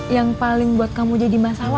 yang paling buat kamu jadi masalah